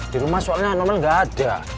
di rumah soalnya nomel gak ada